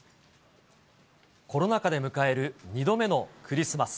コロナ禍で迎える２度目のク